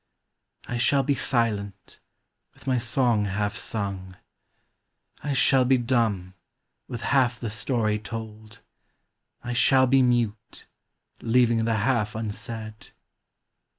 I shall be silent, with my song half sung ; I shall be dumb, with half the story told ; I shall be mute, leaving the half unsaid.